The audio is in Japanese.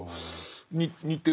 似てる。